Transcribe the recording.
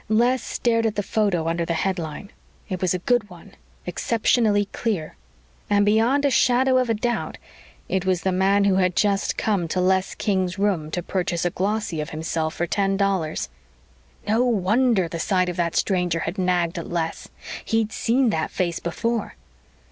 Les stared at the photo under the headline. It was a good one exceptionally clear. And beyond a shadow of a doubt, it was the man who had just come to Les King's room to purchase a glossy of himself for ten dollars. No wonder the sight of that stranger had nagged at Les. He'd seen that face before.